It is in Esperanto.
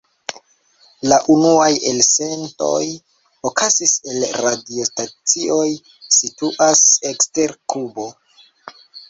La unuaj elsendoj okazis el radiostacioj situaj ekster Kubo.